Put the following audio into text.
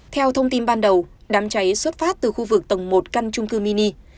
theo thông tin ban đầu đám cháy xuất phát từ khu vực tầng một căn trung cư mini